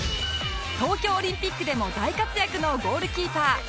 東京オリンピックでも大活躍のゴールキーパー